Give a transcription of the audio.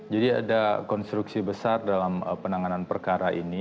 jadi ada konstruksi besar dalam penanganan perkara ini